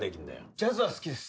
ジャズは好きです。